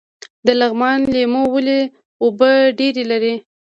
د لغمان لیمو ولې اوبه ډیرې لري؟